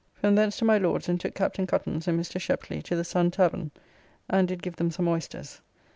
From thence to my Lord's, and took Captain Cuttance and Mr. Sheply to the Sun Tavern, and did give them some oysters.